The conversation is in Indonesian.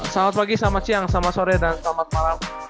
selamat pagi selamat siang selamat sore dan selamat malam